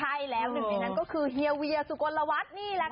ใช่แล้วหนึ่งในนั้นก็คือเฮียเวียสุกลวัฒน์นี่แหละค่ะ